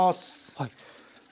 はい。